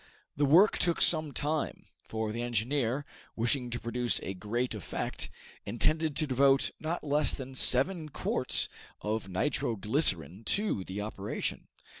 The work took some time, for the engineer, wishing to produce a great effect, intended to devote not less than seven quarts of nitro glycerine to the operation.